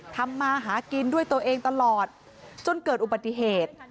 ทำมาหากินด้วยตัวเองตลอดจนเกิดอุบัติเหตุ